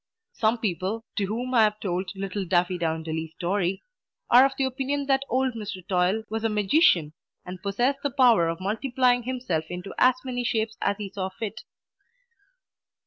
Some people, to whom I have told little Daffydowndilly's story, are of the opinion that old Mr. Toil was a magician, and possessed the power of multiplying himself into as many shapes as he saw fit.